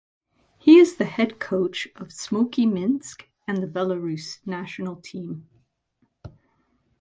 He is the head coach of Tsmoki Minsk and the Belarus national team.